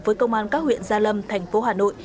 với công an các huyện gia lâm thành phố hà nội